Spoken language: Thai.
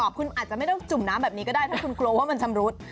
คุณอาจจะไม่ต้องจุ่มน้ำแบบนี้ก็ได้ถ้าคุณกลัวว่ามันชำรุด